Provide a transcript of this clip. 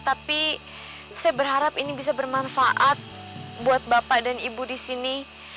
tapi saya berharap ini bisa bermanfaat buat bapak dan ibu di sini